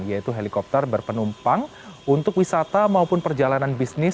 yaitu helikopter berpenumpang untuk wisata maupun perjalanan bisnis